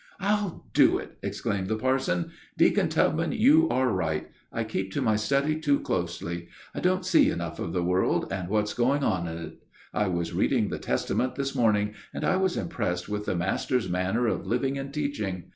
"I'll do it!" exclaimed the parson. "Deacon Tubman, you are right. I do keep to my study too closely. I don't see enough of the world and what's going on in it. I was reading the Testament this morning, and I was impressed with the Master's manner of living and teaching.